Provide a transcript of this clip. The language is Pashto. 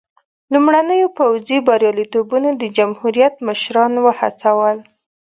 لومړنیو پوځي بریالیتوبونو د جمهوریت مشران وهڅول.